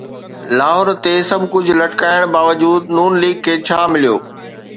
لاهور تي سڀ ڪجهه لٽڪائڻ باوجود ن ليگ کي ڇا مليو؟